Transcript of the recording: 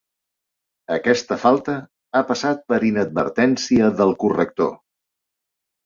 Aquesta falta ha passat per inadvertència del corrector.